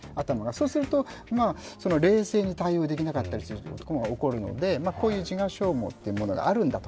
そうすると冷静に対応できなかったりすることが起こるのでこういう自我消耗というものがあるんだと。